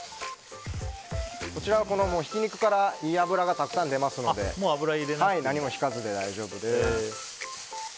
こちらはひき肉からいい脂がたくさん出ますので何もひかずで大丈夫です。